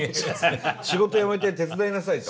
仕事辞めて手伝いなさいと。